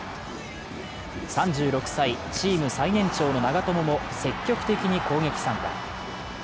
３６歳、チーム最年長の長友も積極的に攻撃参加。